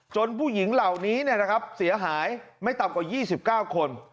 ผู้หญิงเหล่านี้เสียหายไม่ต่ำกว่า๒๙คน